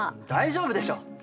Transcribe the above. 大丈夫でしょ！